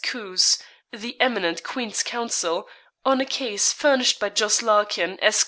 Kewes, the eminent Queen's Counsel, on a case furnished by Jos. Larkin, Esq.